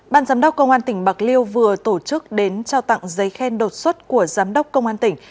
ban giám đốc công an tỉnh bạc liêu vừa tổ chức đến trao tặng giấy khen đột xuất của giám đốc công an tỉnh